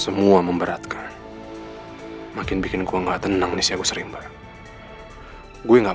semua memberatkan makin bikin gua nggak tenang nih ya gue sering banget gue nggak